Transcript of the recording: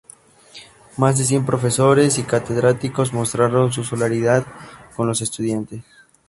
Más de cien profesores y catedráticos mostraron su solidaridad con los estudiantes.